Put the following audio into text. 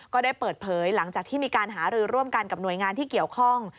ก็ได้เปิดเผยหลังจากที่มีการหารือร่วมกันกับหน่วยงานที่เกี่ยวข้อง